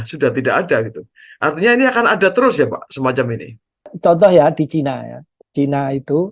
sudah tidak ada gitu artinya ini akan ada terus ya pak semacam ini contoh ya di china ya cina itu